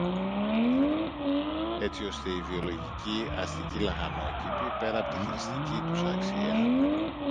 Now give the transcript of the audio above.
έτσι ώστε οι βιολογικοί αστικοί λαχανόκηποι, πέρα από τη χρηστική τους αξία